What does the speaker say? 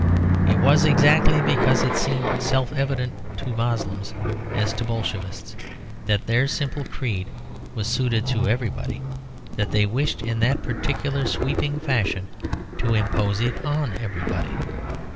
It was exactly because it seemed self evident, to Moslems as to Bolshevists, that their simple creed was suited to everybody, that they wished in that particular sweeping fashion to impose it on everybody.